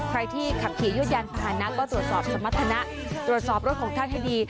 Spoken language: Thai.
ใครที่ขับขี่ยืดยานพาหนะก็ตรวจสอบสมรรถนะตรวจสอบรถของท่านให้ดี